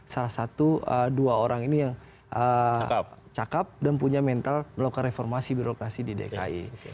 salah satu dua orang ini yang cakep dan punya mental melakukan reformasi birokrasi di dki